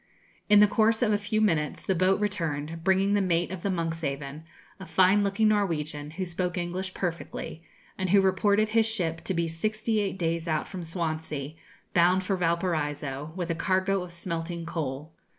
In the course of a few minutes, the boat returned, bringing the mate of the 'Monkshaven,' a fine looking Norwegian, who spoke English perfectly, and who reported his ship to be sixty eight days out from Swansea, bound for Valparaiso, with a cargo of smelting coal.